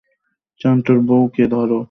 একটা দারুণ ভ্যাকেশন পার করলাম!